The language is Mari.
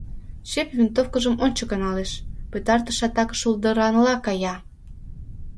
Чеп винтовкыжым ончыко налеш, пытартыш атакыш шулдыранла кая...